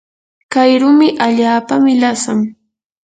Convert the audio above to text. kay rumi allaapami lasan.